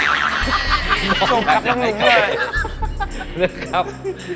นะครับ